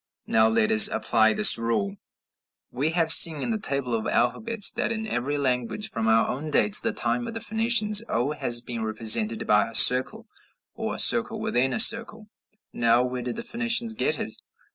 Now let us apply this rule: We have seen in the table of alphabets that in every language, from our own day to the time of the Phoenicians, o has been represented by a circle or a circle within a circle. Now where did the Phoenicians get it?